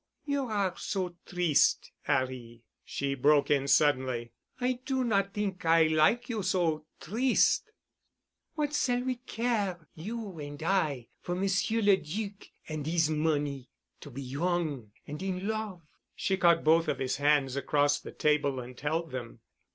"You are so triste, 'Arry," she broke in suddenly. "I do not t'ink I like you so triste. What s'all we care, you and I, for Monsieur le Duc an' 'is money? To be young an' in love——" She caught both of his hands across the table and held them.